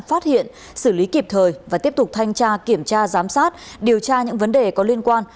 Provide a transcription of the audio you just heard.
phát hiện xử lý kịp thời và tiếp tục thanh tra kiểm tra giám sát điều tra những vấn đề có liên quan